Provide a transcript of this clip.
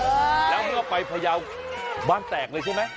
แล้วเมื่อไปพยาวบ้านแตกเลยใช่ไหม